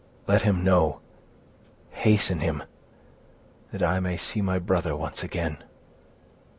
"Let him know—hasten him, that I may see my brother once again."